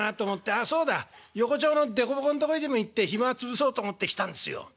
ああそうだ横町のでこぼこんとこへでも行って暇潰そうと思って来たんすよ」。